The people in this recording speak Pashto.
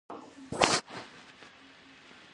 فرض کړئ چې ماشوم مؤلده ځواک دی.